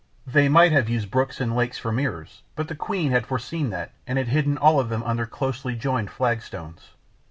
They might have used the brooks and lakes for mirrors; but the queen had foreseen that, and had hidden all of them under closely joined flagstones.